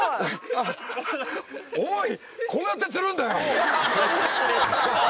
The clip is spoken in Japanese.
おい！